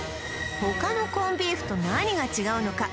他のコンビーフと何が違うのか？